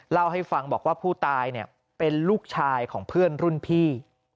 เล่าให้ฟังบอกว่าผู้ตายเป็นลูกชายของเพื่อนรุ่นพี่